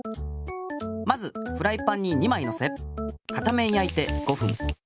まずフライパンに２まいのせ片面やいて５ふん。